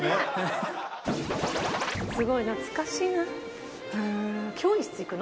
すごい懐かしいな。